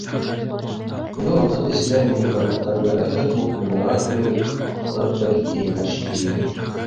Был ваҡыт эсендә минең бармаҡтар ярайһы уҡ уйнарға күнегеп, оҫтарып та киткәйнеләр шикелле.